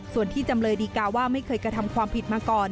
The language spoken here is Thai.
ส่วนที่จำเลยดีกาว่าไม่เคยกระทำความผิดมาก่อน